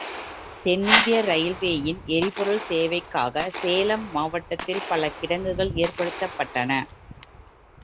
தென்னிந்திய இரயில்வேயின் எரிபொருள் தேவைக்காகச் சேலம் மாவட்டத்தில் பல கிடங்குகள் ஏற்படுத்தப்பட்டன.